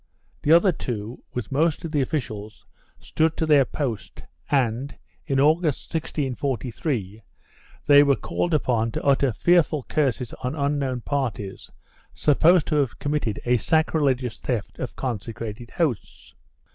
The other two, with most of the officials, stood to their post and, in August, 1643, they were called upon to utter fearful curses on unknown parties supposed to have committed a sacrilegious theft of consecrated hosts.